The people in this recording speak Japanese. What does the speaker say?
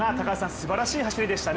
すばらしい走りでしたね。